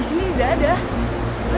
disini tidak ada yunda nawang sari